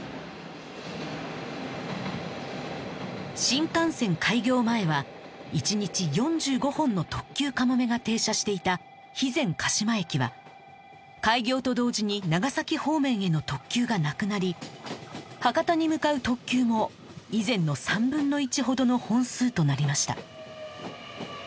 新幹線開業前は一日４５本の特急「かもめ」が停車していた肥前鹿島駅は開業と同時に長崎方面への特急がなくなり博多に向かう特急も以前の３分の１ほどの本数となりました